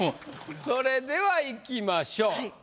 それではいきましょう。